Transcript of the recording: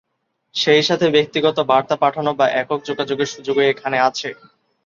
সেই সাথে ব্যক্তিগত বার্তা পাঠানো বা একক যোগাযোগের সুযোগও এখানে আছে।